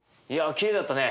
きれいだったね。